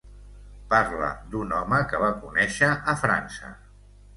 Parla d'un home que va conèixer a França.